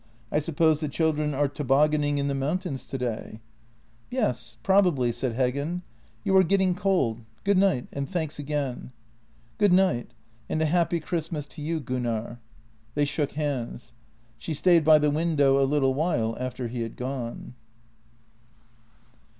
I suppose the children are tobaggan ing in the mountains today." " Yes, probably," said Heggen. " You are getting cold. Good night, and thanks again." " Good night, and a happy Christmas to you, Gunnar." They shook hands. She stayed by the window a little while after he had gone.